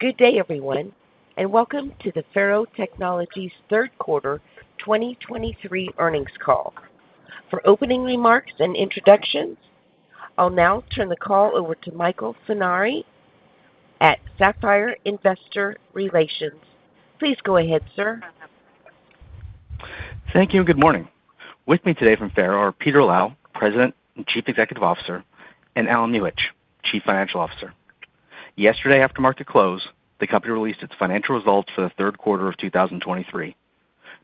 Good day, everyone, and welcome to the FARO Technologies third quarter 2023 Earnings Call. For opening remarks and introductions, I'll now turn the call over to Michael Funari at Sapphire Investor Relations. Please go ahead, sir. Thank you, good morning. With me today from FARO are Peter Lau, President and Chief Executive Officer, and Allen Muhich, Chief Financial Officer. Yesterday, after market close, the company released its financial results for the third quarter of 2023.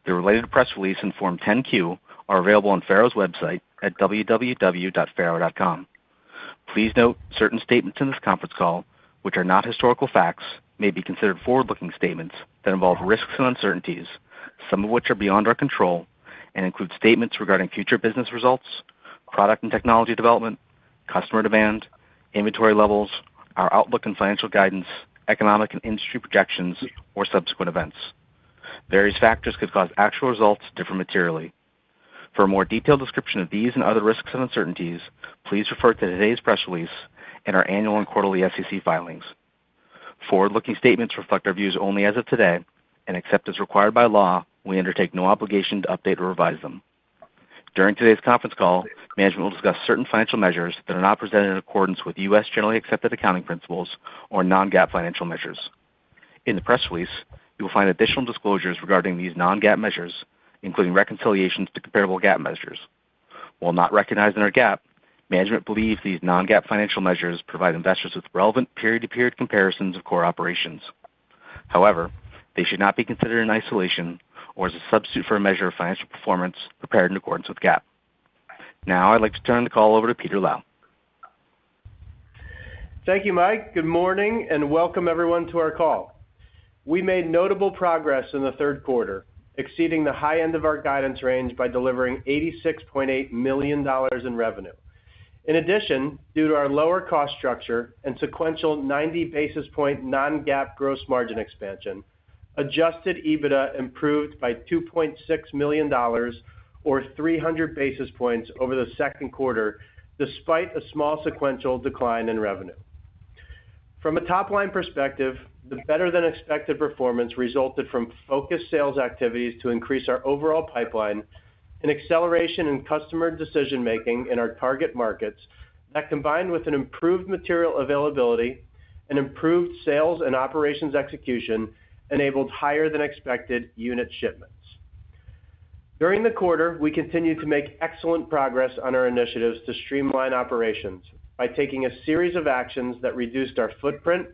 The related press release and form 10-Q are available on FARO's website at www.faro.com. Please note, certain statements in this conference call, which are not historical facts, may be considered forward-looking statements that involve risks and uncertainties, some of which are beyond our control and include statements regarding future business results, product and technology development, customer demand, inventory levels, our outlook and financial guidance, economic and industry projections, or subsequent events. Various factors could cause actual results to differ materially. For a more detailed description of these and other risks and uncertainties, please refer to today's press release and our annual and quarterly SEC filings. Forward-looking statements reflect our views only as of today, and except as required by law, we undertake no obligation to update or revise them. During today's conference call, management will discuss certain financial measures that are not presented in accordance with U.S. generally accepted accounting principles or non-GAAP financial measures. In the press release, you will find additional disclosures regarding these non-GAAP measures, including reconciliations to comparable GAAP measures. While not recognized in our GAAP, management believes these non-GAAP financial measures provide investors with relevant period-to-period comparisons of core operations. However, they should not be considered in isolation or as a substitute for a measure of financial performance prepared in accordance with GAAP. Now, I'd like to turn the call over to Peter Lau. Thank you, Mike. Good morning, and welcome everyone to our call. We made notable progress in the third quarter, exceeding the high end of our guidance range by delivering $86.8 million in revenue. In addition, due to our lower cost structure and sequential 90 basis point non-GAAP gross margin expansion, adjusted EBITDA improved by $2.6 million or 300 basis points over the second quarter, despite a small sequential decline in revenue. From a top-line perspective, the better-than-expected performance resulted from focused sales activities to increase our overall pipeline and acceleration in customer decision-making in our target markets that, combined with an improved material availability and improved sales and operations execution, enabled higher-than-expected unit shipments. During the quarter, we continued to make excellent progress on our initiatives to streamline operations by taking a series of actions that reduced our footprint,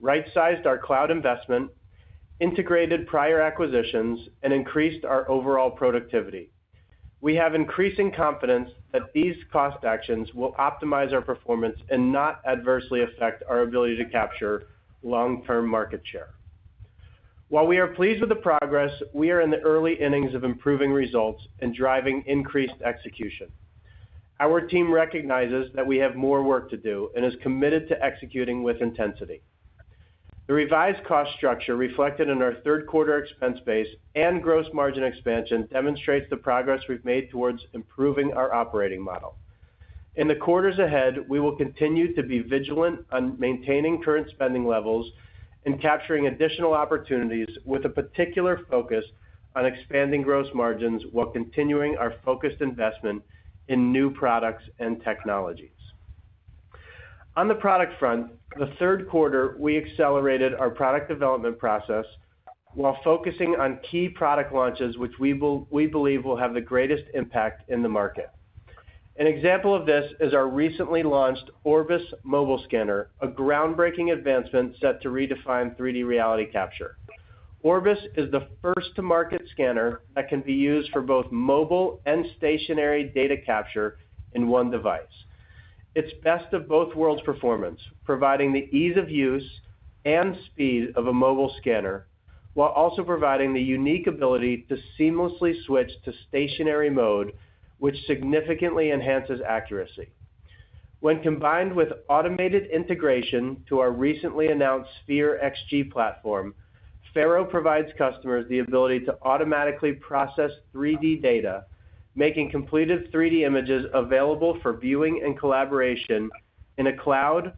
right-sized our cloud investment, integrated prior acquisitions, and increased our overall productivity. We have increasing confidence that these cost actions will optimize our performance and not adversely affect our ability to capture long-term market share. While we are pleased with the progress, we are in the early innings of improving results and driving increased execution. Our team recognizes that we have more work to do and is committed to executing with intensity. The revised cost structure reflected in our third quarter expense base and gross margin expansion demonstrates the progress we've made towards improving our operating model. In the quarters ahead, we will continue to be vigilant on maintaining current spending levels and capturing additional opportunities with a particular focus on expanding gross margins, while continuing our focused investment in new products and technologies. On the product front, the third quarter, we accelerated our product development process while focusing on key product launches, which we believe will have the greatest impact in the market. An example of this is our recently launched Orbis Mobile Scanner, a groundbreaking advancement set to redefine 3D reality capture. Orbis is the first-to-market scanner that can be used for both mobile and stationary data capture in one device. It's best of both worlds performance, providing the ease of use and speed of a mobile scanner, while also providing the unique ability to seamlessly switch to stationary mode, which significantly enhances accuracy. When combined with automated integration to our recently announced Sphere XG platform, FARO provides customers the ability to automatically process 3D data, making completed 3D images available for viewing and collaboration in a cloud,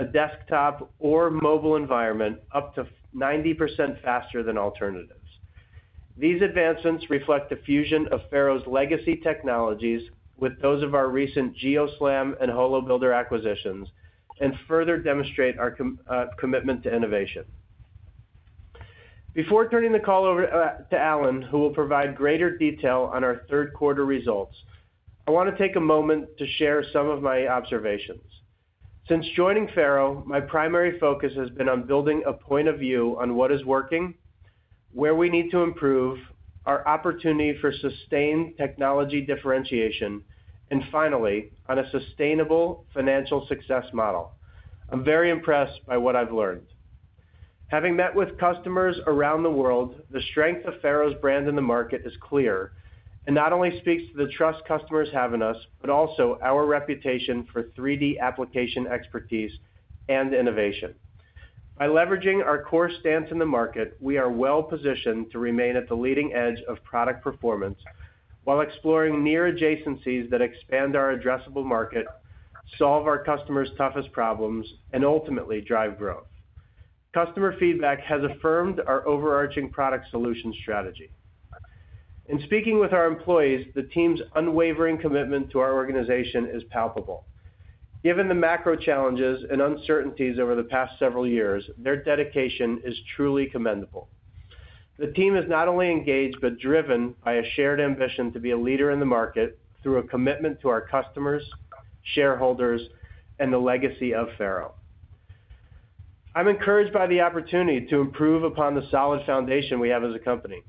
a desktop, or mobile environment, up to 90% faster than alternatives. These advancements reflect the fusion of FARO's legacy technologies with those of our recent GeoSLAM and HoloBuilder acquisitions and further demonstrate our commitment to innovation. Before turning the call over to Allen, who will provide greater detail on our third quarter results, I want to take a moment to share some of my observations. Since joining FARO, my primary focus has been on building a point of view on what is working, where we need to improve, our opportunity for sustained technology differentiation, and finally, on a sustainable financial success model. I'm very impressed by what I've learned. Having met with customers around the world, the strength of FARO's brand in the market is clear, and not only speaks to the trust customers have in us, but also our reputation for 3D application expertise and innovation. By leveraging our core stance in the market, we are well positioned to remain at the leading edge of product performance while exploring near adjacencies that expand our addressable market, solve our customers' toughest problems, and ultimately drive growth. Customer feedback has affirmed our overarching product solution strategy. In speaking with our employees, the team's unwavering commitment to our organization is palpable. Given the macro challenges and uncertainties over the past several years, their dedication is truly commendable. The team is not only engaged, but driven by a shared ambition to be a leader in the market through a commitment to our customers, shareholders, and the legacy of FARO. I'm encouraged by the opportunity to improve upon the solid foundation we have as a company.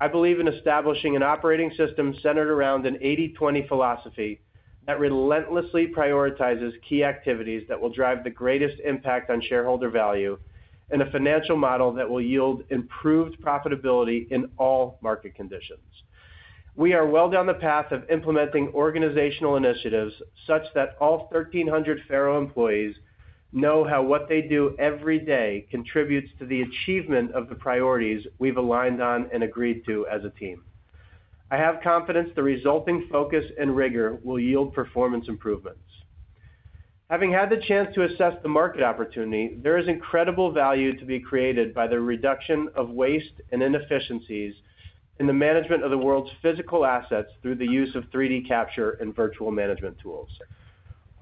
I believe in establishing an operating system centered around an 80/20 philosophy that relentlessly prioritizes key activities that will drive the greatest impact on shareholder value and a financial model that will yield improved profitability in all market conditions. We are well down the path of implementing organizational initiatives such that all 1,300 FARO employees know how what they do every day contributes to the achievement of the priorities we've aligned on and agreed to as a team. I have confidence the resulting focus and rigor will yield performance improvements. Having had the chance to assess the market opportunity, there is incredible value to be created by the reduction of waste and inefficiencies in the management of the world's physical assets through the use of 3D capture and virtual management tools.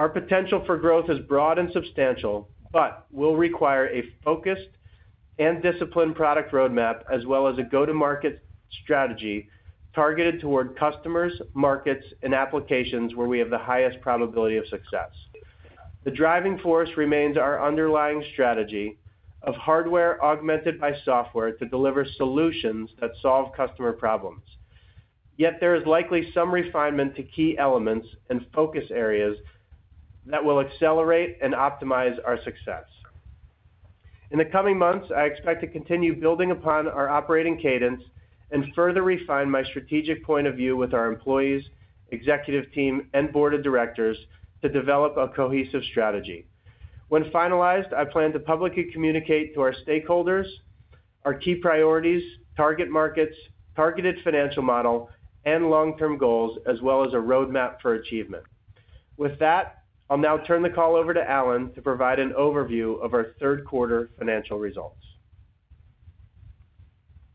Our potential for growth is broad and substantial, but will require a focused and disciplined product roadmap, as well as a go-to-market strategy targeted toward customers, markets, and applications where we have the highest probability of success. The driving force remains our underlying strategy of hardware augmented by software to deliver solutions that solve customer problems. Yet there is likely some refinement to key elements and focus areas that will accelerate and optimize our success. In the coming months, I expect to continue building upon our operating cadence and further refine my strategic point of view with our employees, executive team, and board of directors to develop a cohesive strategy. When finalized, I plan to publicly communicate to our stakeholders our key priorities, target markets, targeted financial model, and long-term goals, as well as a roadmap for achievement. With that, I'll now turn the call over to Allen to provide an overview of our third quarter financial results.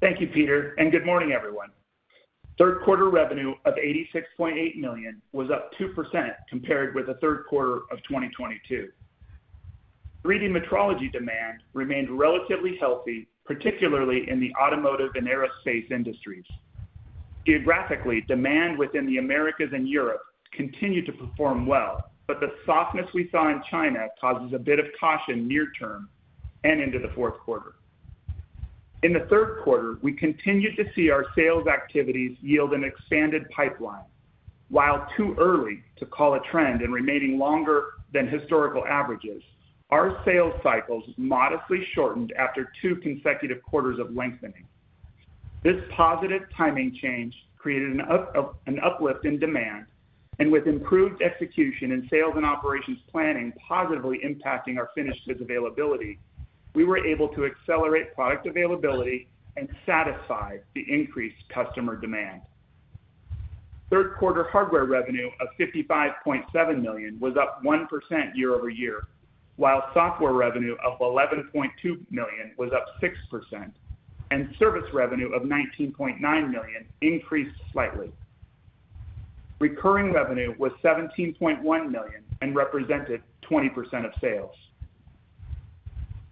Thank you, Peter, and good morning, everyone. Third quarter revenue of $86.8 million was up 2% compared with the third quarter of 2022. 3D metrology demand remained relatively healthy, particularly in the automotive and aerospace industries. Geographically, demand within the Americas and Europe continued to perform well, but the softness we saw in China causes a bit of caution near term and into the fourth quarter. In the third quarter, we continued to see our sales activities yield an expanded pipeline. While too early to call a trend in remaining longer than historical averages, our sales cycles modestly shortened after two consecutive quarters of lengthening. This positive timing change created an uplift in demand, and with improved execution in sales and operations planning positively impacting our finishes availability, we were able to accelerate product availability and satisfy the increased customer demand. Third quarter hardware revenue of $55.7 million was up 1% year-over-year, while software revenue of $11.2 million was up 6%, and service revenue of $19.9 million increased slightly. Recurring revenue was $17.1 million and represented 20% of sales.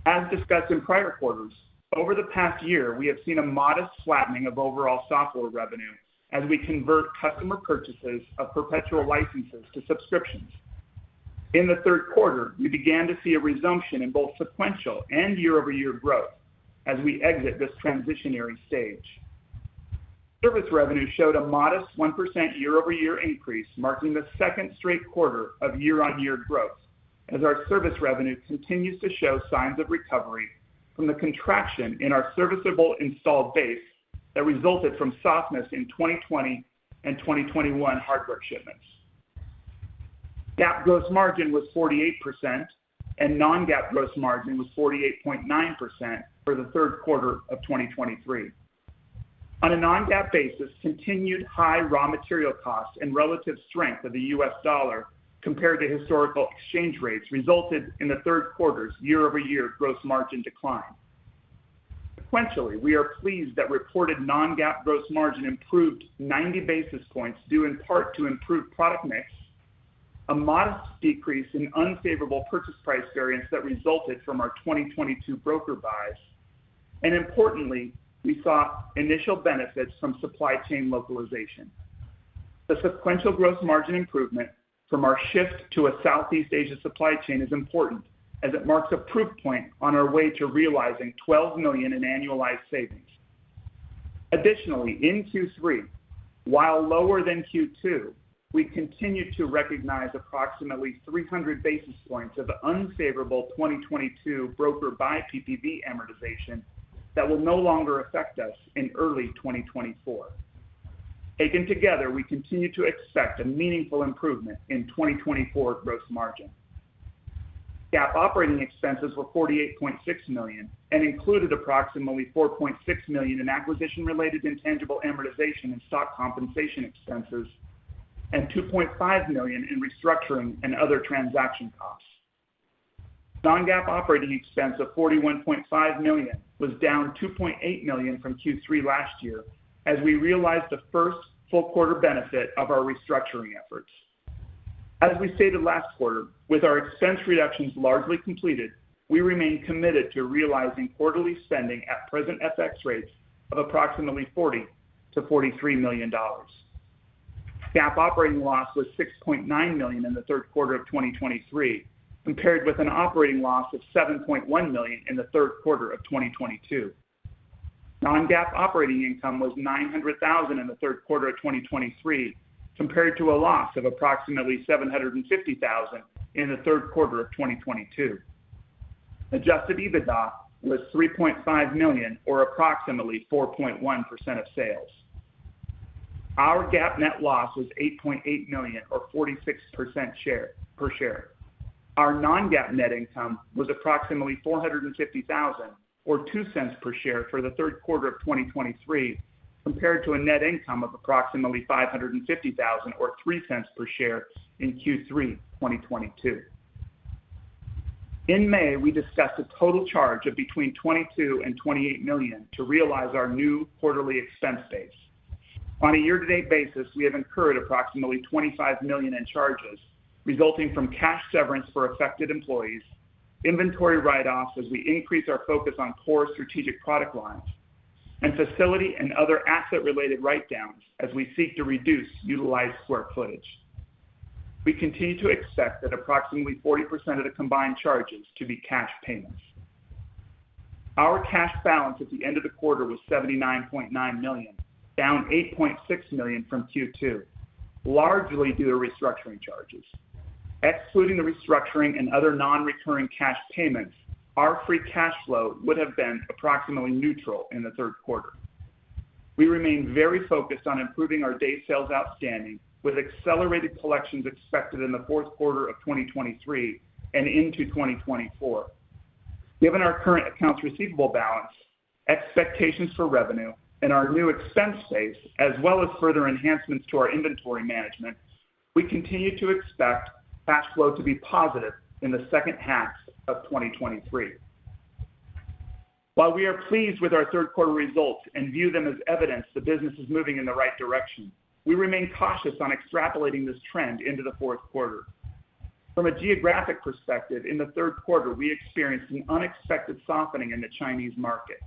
As discussed in prior quarters, over the past year, we have seen a modest flattening of overall software revenue as we convert customer purchases of perpetual licenses to subscriptions. In the third quarter, we began to see a resumption in both sequential and year-over-year growth as we exit this transitionary stage. Service revenue showed a modest 1% year-over-year increase, marking the second straight quarter of year-over-year growth, as our service revenue continues to show signs of recovery from the contraction in our serviceable installed base that resulted from softness in 2020 and 2021 hardware shipments. GAAP gross margin was 48%, and non-GAAP gross margin was 48.9% for the third quarter of 2023. On a non-GAAP basis, continued high raw material costs and relative strength of the U.S. dollar compared to historical exchange rates resulted in the third quarter's year-over-year gross margin decline. Sequentially, we are pleased that reported non-GAAP gross margin improved 90 basis points, due in part to improved product mix, a modest decrease in unfavorable purchase price variance that resulted from our 2022 broker buys, and importantly, we saw initial benefits from supply chain localization. The sequential gross margin improvement from our shift to a Southeast Asia supply chain is important as it marks a proof point on our way to realizing $12 million in annualized savings. Additionally, in Q3, while lower than Q2, we continued to recognize approximately 300 basis points of unfavorable 2022 broker buy PPV amortization that will no longer affect us in early 2024. Taken together, we continue to expect a meaningful improvement in 2024 gross margin. GAAP operating expenses were $48.6 million and included approximately $4.6 million in acquisition-related intangible amortization and stock compensation expenses, and $2.5 million in restructuring and other transaction costs. Non-GAAP operating expense of $41.5 million was down $2.8 million from Q3 last year, as we realized the first full quarter benefit of our restructuring efforts. As we stated last quarter, with our expense reductions largely completed, we remain committed to realizing quarterly spending at present FX rates of approximately $40 million-$43 million. GAAP operating loss was $6.9 million in the third quarter of 2023, compared with an operating loss of $7.1 million in the third quarter of 2022. Non-GAAP operating income was $900,000 in the third quarter of 2023, compared to a loss of approximately $750,000 in the third quarter of 2022. Adjusted EBITDA was $3.5 million or approximately 4.1% of sales. Our GAAP net loss was $8.8 million or 46% share per share. Our non-GAAP net income was approximately $450,000, or $0.02 per share for the third quarter of 2023, compared to a net income of approximately $550,000 or $0.03 per share in Q3 2022. In May, we discussed a total charge of between $22 million-$28 million to realize our new quarterly expense base. On a year-to-date basis, we have incurred approximately $25 million in charges, resulting from cash severance for affected employees, inventory write-offs as we increase our focus on core strategic product lines, and facility and other asset-related write-downs as we seek to reduce utilized square footage. We continue to expect that approximately 40% of the combined charges to be cash payments. Our cash balance at the end of the quarter was $79.9 million, down $8.6 million from Q2, largely due to restructuring charges. Excluding the restructuring and other non-recurring cash payments, our free cash flow would have been approximately neutral in the third quarter. We remain very focused on improving our day sales outstanding, with accelerated collections expected in the fourth quarter of 2023 and into 2024. Given our current accounts receivable balance, expectations for revenue, and our new expense base, as well as further enhancements to our inventory management, we continue to expect cash flow to be positive in the second half of 2023. While we are pleased with our third quarter results and view them as evidence the business is moving in the right direction, we remain cautious on extrapolating this trend into the fourth quarter. From a geographic perspective, in the third quarter, we experienced an unexpected softening in the Chinese market.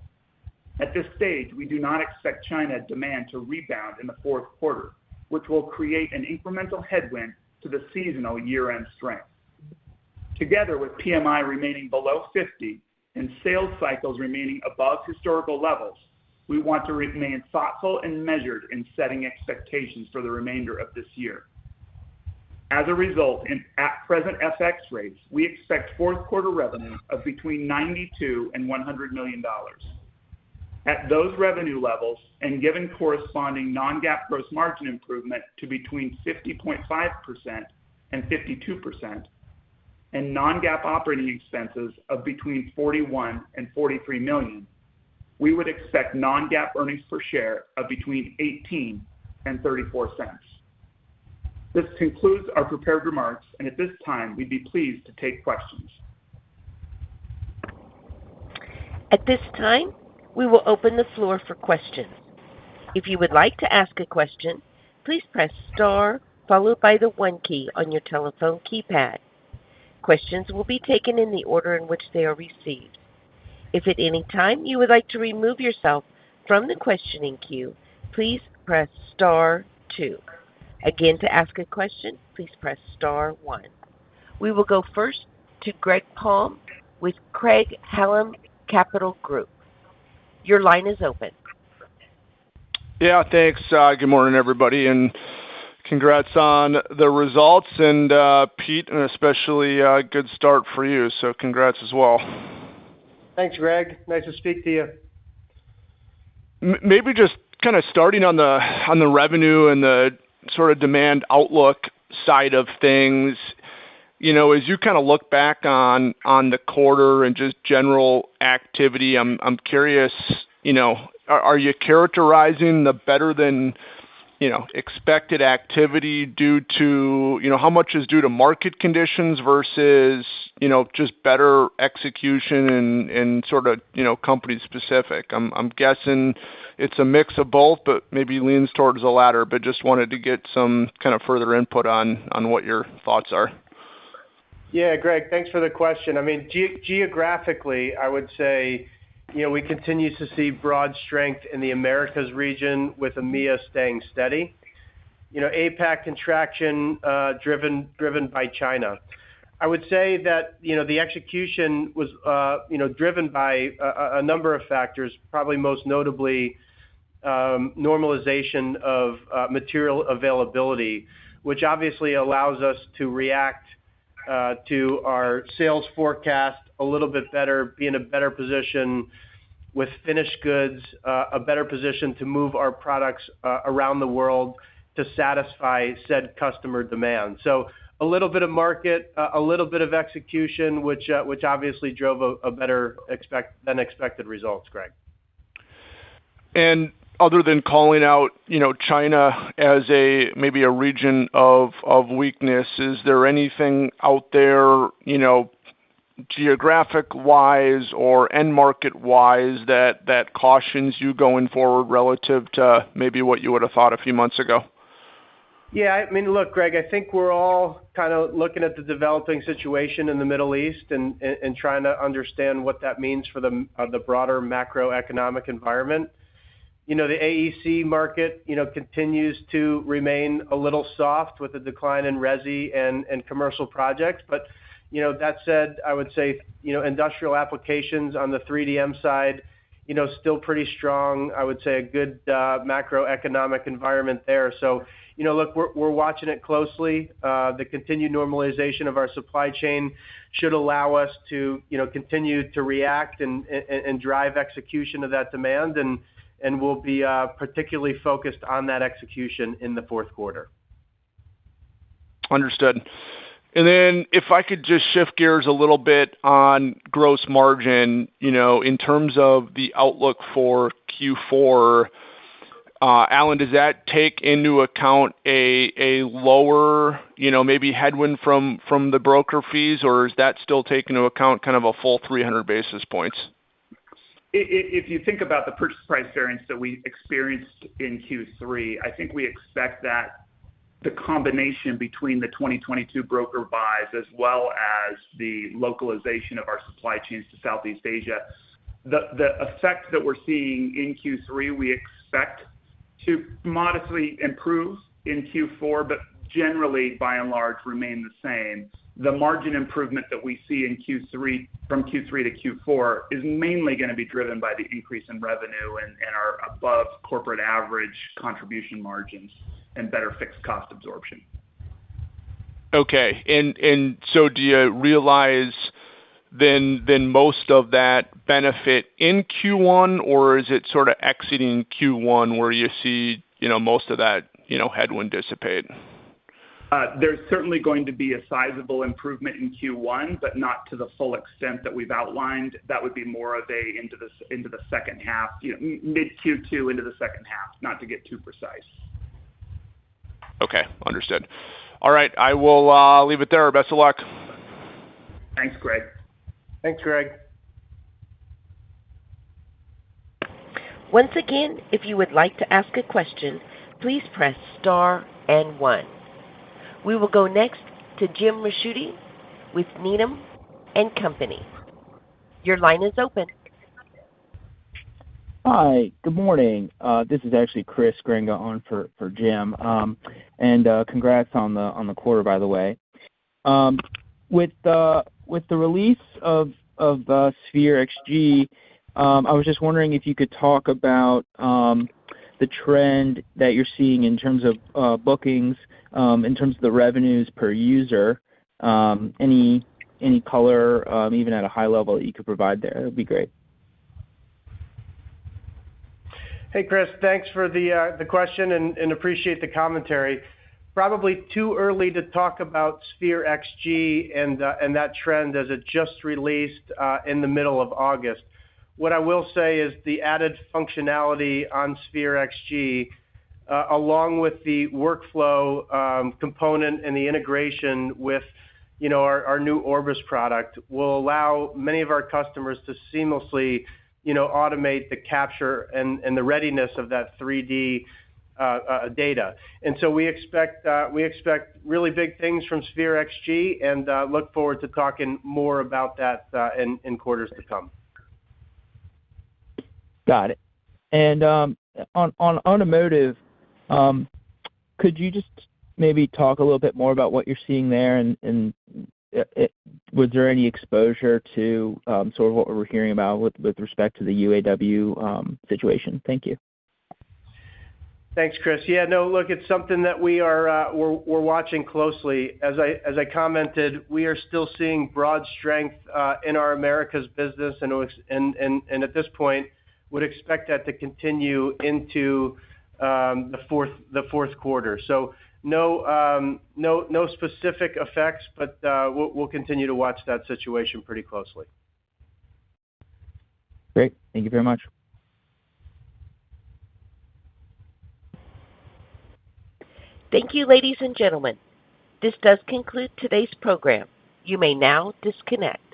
At this stage, we do not expect China demand to rebound in the fourth quarter, which will create an incremental headwind to the seasonal year-end strength. Together with PMI remaining below 50 and sales cycles remaining above historical levels, we want to remain thoughtful and measured in setting expectations for the remainder of this year. As a result, at present FX rates, we expect fourth quarter revenue of between $92 million and $100 million. At those revenue levels, and given corresponding non-GAAP gross margin improvement to between 50.5% and 52%, and non-GAAP operating expenses of between $41 million and $43 million, we would expect non-GAAP earnings per share of between $0.18 and $0.34. This concludes our prepared remarks, and at this time, we'd be pleased to take questions. At this time, we will open the floor for questions. If you would like to ask a question, please press star, followed by the one key on your telephone keypad. Questions will be taken in the order in which they are received. If at any time you would like to remove yourself from the questioning queue, please press star two. Again, to ask a question, please press star one. We will go first to Greg Palm with Craig-Hallum Capital Group. Your line is open. Yeah, thanks. Good morning, everybody, and congrats on the results. Pete, and especially, good start for you, so congrats as well. Thanks, Greg. Nice to speak to you. Maybe just kind of starting on the revenue and the sort of demand outlook side of things. You know, as you kind of look back on the quarter and just general activity, I'm curious, you know, are you characterizing the better than expected activity due to... You know, how much is due to market conditions versus, you know, just better execution and sort of, you know, company specific? I'm guessing it's a mix of both, but maybe leans towards the latter. But just wanted to get some kind of further input on what your thoughts are. Yeah, Greg, thanks for the question. I mean, geographically, I would say, you know, we continue to see broad strength in the Americas region with EMEA staying steady. You know, APAC contraction, driven by China. I would say that, you know, the execution was, you know, driven by a number of factors, probably most notably, normalization of material availability, which obviously allows us to react to our sales forecast a little bit better, be in a better position with finished goods, a better position to move our products around the world to satisfy said customer demand. So a little bit of market, a little bit of execution, which obviously drove better-than-expected results, Greg. Other than calling out, you know, China as a, maybe a region of weakness, is there anything out there, you know, geographic-wise or end-market-wise that cautions you going forward relative to maybe what you would have thought a few months ago? Yeah, I mean, look, Greg, I think we're all kind of looking at the developing situation in the Middle East and trying to understand what that means for the broader macroeconomic environment. You know, the AEC market, you know, continues to remain a little soft with a decline in RESI and commercial projects. But, you know, that said, I would say, you know, industrial applications on the 3DM side, you know, still pretty strong. I would say a good macroeconomic environment there. So, you know, look, we're watching it closely. The continued normalization of our supply chain should allow us to, you know, continue to react and drive execution of that demand, and we'll be particularly focused on that execution in the fourth quarter. Understood. And then if I could just shift gears a little bit on gross margin, you know, in terms of the outlook for Q4, Allen, does that take into account a lower, you know, maybe headwind from the broker fees, or is that still take into account kind of a full 300 basis points? If you think about the purchase price variance that we experienced in Q3, I think we expect that the combination between the 2022 broker buys as well as the localization of our supply chains to Southeast Asia, the effects that we're seeing in Q3, we expect to modestly improve in Q4, but generally, by and large, remain the same. The margin improvement that we see in Q3 from Q3 to Q4 is mainly gonna be driven by the increase in revenue and our above corporate average contribution margins and better fixed cost absorption. Okay. And so do you realize then most of that benefit in Q1, or is it sort of exiting Q1, where you see, you know, most of that, you know, headwind dissipate? There's certainly going to be a sizable improvement in Q1, but not to the full extent that we've outlined. That would be more of a into the second half, you know, mid-Q2 into the second half, not to get too precise. Okay, understood. All right, I will leave it there. Best of luck. Thanks, Greg. Thanks, Greg. Once again, if you would like to ask a question, please press star and one. We will go next to Jim Ricchiuti with Needham & Company. Your line is open. Hi, good morning. This is actually Chris Grenga on for Jim. And congrats on the quarter, by the way. With the release of Sphere XG, I was just wondering if you could talk about the trend that you're seeing in terms of bookings, in terms of the revenues per user, any color, even at a high level, that you could provide there? It'd be great. Hey, Chris, thanks for the, the question and, and appreciate the commentary. Probably too early to talk about Sphere XG and, and that trend, as it just released, in the middle of August. What I will say is the added functionality on Sphere XG, along with the workflow, component and the integration with, you know, our, our new Orbis product, will allow many of our customers to seamlessly, you know, automate the capture and, and the readiness of that 3D, data. And so we expect, we expect really big things from Sphere XG and, look forward to talking more about that, in, in quarters to come. Got it. And, on automotive, could you just maybe talk a little bit more about what you're seeing there, and was there any exposure to sort of what we're hearing about with respect to the UAW situation? Thank you. Thanks, Chris. Yeah, no, look, it's something that we are watching closely. As I commented, we are still seeing broad strength in our Americas business, and at this point, would expect that to continue into the fourth quarter. So no specific effects, but we'll continue to watch that situation pretty closely. Great. Thank you very much. Thank you, ladies and gentlemen. This does conclude today's program. You may now disconnect.